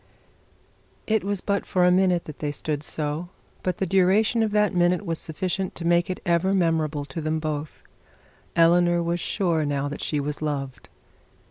It was but for a minute that they stood so, but the duration of that minute was sufficient to make it ever memorable to both. Eleanor was sure now that she was loved.